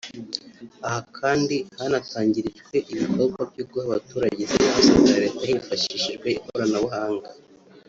Aha kandi hanatangirijwe ibikorwa byo guha abaturage serivisi za Leta hifashishijwe ikoranabuhanga